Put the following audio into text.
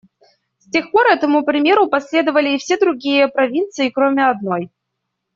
С тех пор этому примеру последовали и все другие провинции, кроме одной.